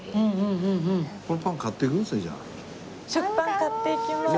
食パン買っていきまーす！